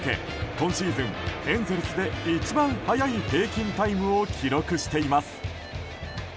今シーズン、エンゼルスで一番速い平均タイムを記録しています。